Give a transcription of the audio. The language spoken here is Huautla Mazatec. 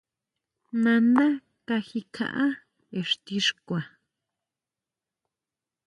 Nandá kaji kjaʼá ixti xkua.